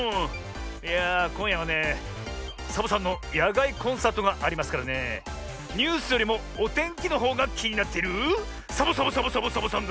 いやあこんやはねサボさんのやがいコンサートがありますからねえニュースよりもおてんきのほうがきになっているサボサボサボサボサボさんだ